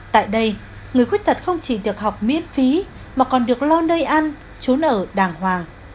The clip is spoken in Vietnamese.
tại đây người khuyết tật không chỉ được học miễn phí mà còn được lo nơi ăn trốn ở đàng hoàng